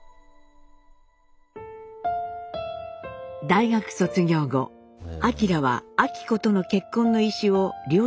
大学卒業後晃は昭子との結婚の意思を両親に伝えます。